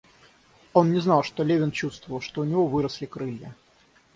Он не знал, что Левин чувствовал, что у него выросли крылья.